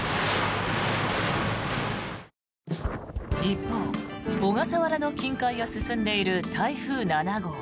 一方、小笠原の近海を進んでいる台風７号。